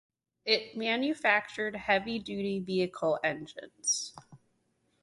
It manufactured heavy duty vehicle engines.